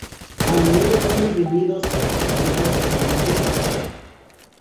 A menudo son definidos por sus grupos lingüísticos.